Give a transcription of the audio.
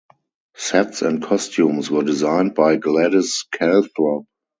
Sets and costumes were designed by Gladys Calthrop.